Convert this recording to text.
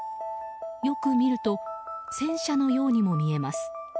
よく見ると戦車のようにも見えます。